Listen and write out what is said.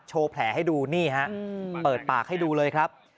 แผลให้ดูนี่ฮะเปิดปากให้ดูเลยครับ